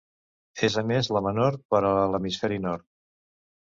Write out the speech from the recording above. És a més la menor per a l'Hemisferi nord.